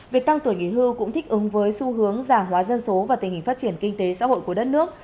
việc tăng tuổi nghỉ hưu cũng thích ứng với xu hướng giả hóa dân số và tình hình phát triển kinh tế xã hội của đất nước